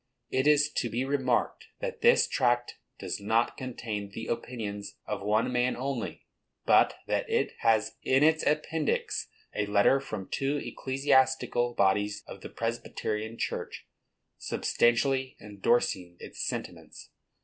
It is to be remarked that this tract does not contain the opinions of one man only, but that it has in its appendix a letter from two ecclesiastical bodies of the Presbyterian church, substantially endorsing its sentiments.